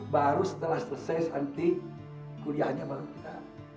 baru setelah selesai nanti kuliahnya baru kita